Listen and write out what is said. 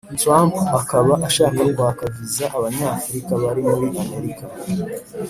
Trump akaba ashaka kwaka visa abanyafurika bari muri amerika